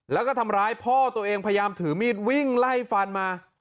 แล้วก็ทำร้ายพ่อตัวเองพยายามถือมีดวิ่งไล่ฟันมา